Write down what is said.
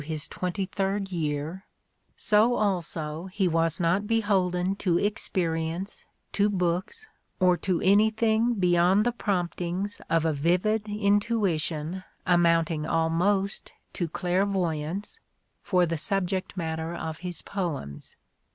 his twenty third year) so also he was not beholden to experience, to books, or to anything beyond the promptings of a vivid intuition amounting almost to clairvoyance, for the subject matter of his poems.